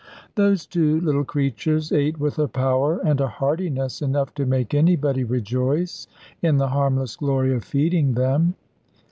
Those two little creatures ate with a power and a heartiness enough to make anybody rejoice in the harmless glory of feeding them.